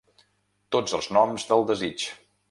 Tots els noms del desig.